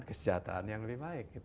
kesejahteraan yang lebih baik